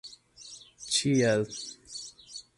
ĉiel